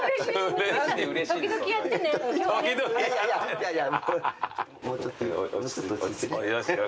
いやいや。